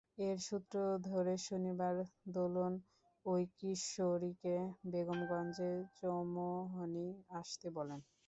এর সূত্র ধরে শনিবার দোলন ওই কিশোরীকে বেগমগঞ্জের চৌমুহনী আসতে বলেন।